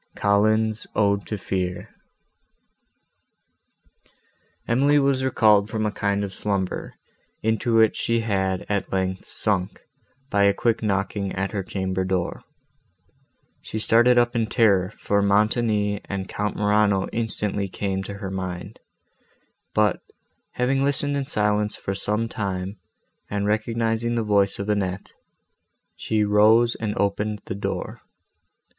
COLLINS' ODE TO FEAR Emily was recalled from a kind of slumber, into which she had, at length, sunk, by a quick knocking at her chamber door. She started up in terror, for Montoni and Count Morano instantly came to her mind; but, having listened in silence for some time, and recognising the voice of Annette, she rose and opened the door.